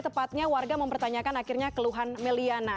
tepatnya warga mempertanyakan akhirnya keluhan may liana